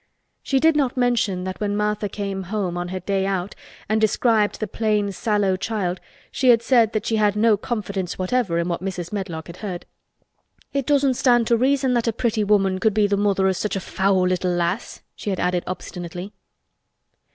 She did not mention that when Martha came home on her "day out" and described the plain sallow child she had said that she had no confidence whatever in what Mrs. Medlock had heard. "It doesn't stand to reason that a pretty woman could be th' mother o' such a fou' little lass," she had added obstinately.